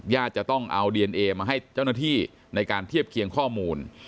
จะต้องเอาดีเอนเอมาให้เจ้าหน้าที่ในการเทียบเคียงข้อมูล